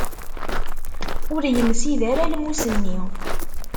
Ur yemsid ara lmus-nni.